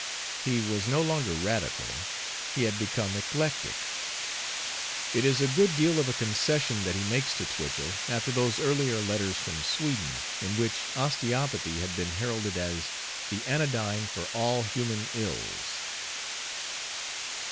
He was no longer radical; he had become eclectic. It is a good deal of a concession that he makes to Twichell, after those earlier letters from Sweden, in which osteopathy had been heralded as the anodyne for all human ills.